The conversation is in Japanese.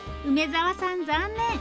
梅沢さん残念！